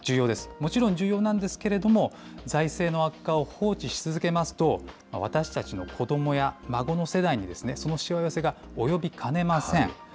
もちろん重要なんですけれども、財政の悪化を放置し続けますと、私たちの子どもや孫の世代に、そのしわ寄せが及びかねません。